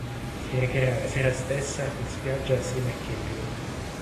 Si recherà la sera stessa in spiaggia assieme a Kaitlin.